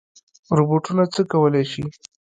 روبوټونه څه کولی شي؟